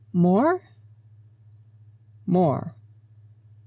"More!" "More."